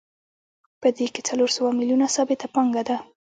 په دې کې څلور سوه میلیونه ثابته پانګه ده